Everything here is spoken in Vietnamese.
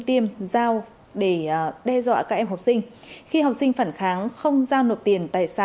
tiêm dao để đe dọa các em học sinh khi học sinh phản kháng không giao nộp tiền